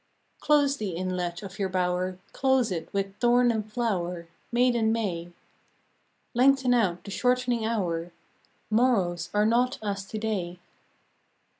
Close the inlet of your bower, Close it close with thorn and flower, Maiden May: Lengthen out the shortening hour, — Morrows are not as to day.